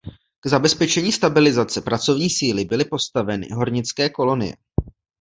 K zabezpečení stabilizace pracovní síly byly postaveny hornické kolonie.